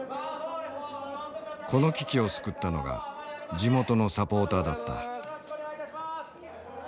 この危機を救ったのが地元のサポーターだった。